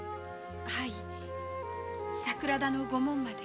はい桜田の御門まで。